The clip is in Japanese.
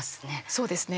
そうですね。